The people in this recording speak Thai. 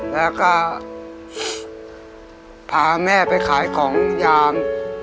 แล้วก็พาแม่ไปขายของยาง